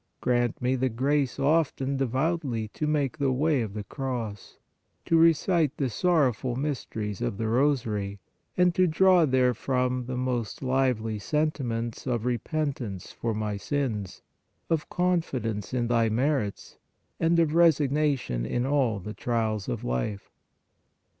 Grant me the grace often devoutly to make the Way of the Cross, to recite the sorrowful mysteries of the Rosary, and to draw therefrom the most lively sen timents of repentance for my sins, of confidence in Thy merits and of resignation in all the trials of life.